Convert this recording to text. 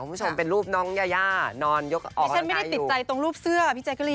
พี่ฉันไม่ได้ติดใจตรงรูปเสื้ออ่ะพี่จักรี